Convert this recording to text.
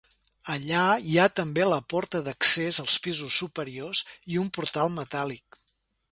Allà hi ha també la porta d'accés als pisos superiors i un portal metàl·lic.